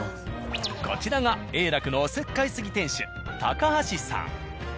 こちらが「永楽」のおせっかいすぎ店主橋さん。